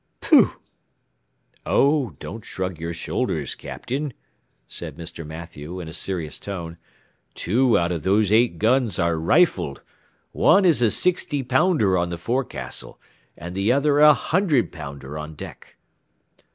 "Pooh!" "Oh, don't shrug your shoulders, Captain," said Mr. Mathew, in a serious tone; "two out of those eight guns are rifled, one is a sixty pounder on the forecastle, and the other a hundred pounder on deck."